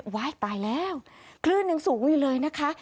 ตายแล้วคลื่นยังสูงอยู่เลยนะคะ